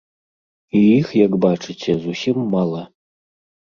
І іх, як бачыце, зусім мала.